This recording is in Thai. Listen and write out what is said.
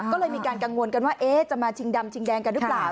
ก็เลยมีการกังวลกันว่าจะมาชิงดำชิงแดงกันหรือเปล่า